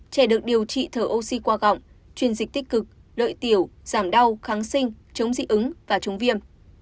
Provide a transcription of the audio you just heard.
trẻ được điều trị thở oxy qua gọng truyền dịch tích cực lợi tiểu giảm đau kháng sinh chống dị ứng và chống viêm